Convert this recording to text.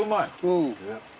うん。